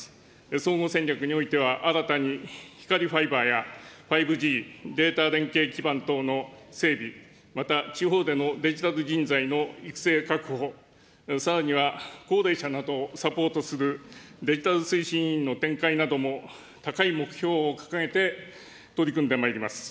総合戦略においては、新たに光ファイバーや５Ｇ、データれんけい基盤等の整備、また地方でのデジタル人材の育成確保、さらには高齢者などをサポートするデジタル推進委員の展開なども高い目標を掲げて取り組んでまいります。